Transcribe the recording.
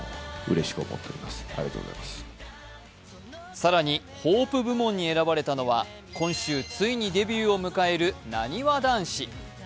更にホープ部門に選ばれたのは今週、ついにデビューを迎えるなにわ男子。